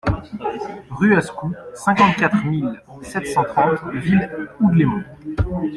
Rue Ascou, cinquante-quatre mille sept cent trente Ville-Houdlémont